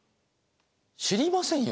知りませんよ